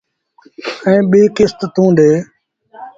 ائيٚݩ ٻيٚ ڪست توݩ ڏي۔